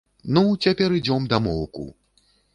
Ну, цяпер ідзём дамоўку!